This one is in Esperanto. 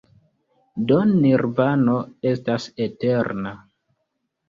Do Nirvano estas eterna.